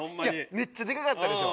めっちゃでかかったでしょ？